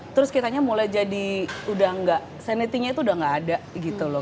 terus kitanya mulai jadi udah gak sanity nya itu udah gak ada gitu loh